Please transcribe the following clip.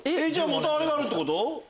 またあれがあるってこと？